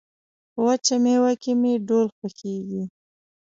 په وچه مېوه کې مې ډول خوښيږي